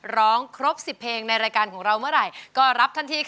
ร้องครบ๑๐เพลงในรายการของเราเมื่อไหร่ก็รับทันทีค่ะ